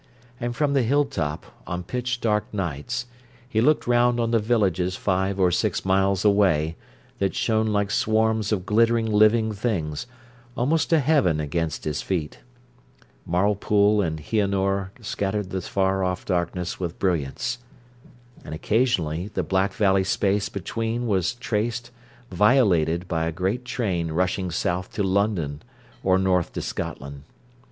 And from the hilltop, on pitch dark nights, he looked round on the villages five or six miles away, that shone like swarms of glittering living things, almost a heaven against his feet. Marlpool and Heanor scattered the far off darkness with brilliance. And occasionally the black valley space between was traced, violated by a great train rushing south to London or north to Scotland.